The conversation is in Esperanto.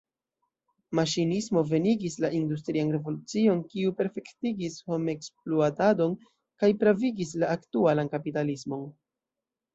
Maŝinismo venigis la industrian revolucion, kiu perfektigis homekspluatadon kaj pravigis la aktualan kapitalismon.